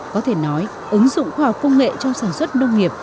có thể nói ứng dụng khoa học công nghệ trong sản xuất nông nghiệp